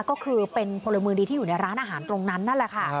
ก็คือเป็นพลเมืองดีที่อยู่ในร้านอาหารตรงนั้นนั่นแหละค่ะ